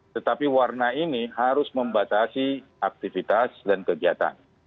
tetapi warna ini harus membatasi aktivitas dan kegiatan